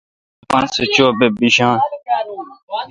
تو اپان سہ چو۔ بہ بیشان۔